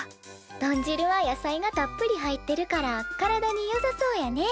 豚汁は野菜がたっぷり入ってるから体によさそうやね。